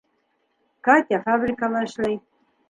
Катя фабрикала эшләй.